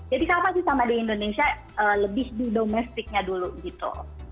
jadi sama sih sama di indonesia lebih di domestiknya dulu gitu